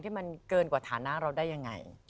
ที่มันเกินกว่าฐานะเราได้ยังไง